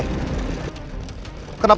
biarkan aja ya